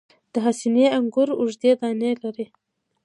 د حسیني انګور اوږدې دانې لري.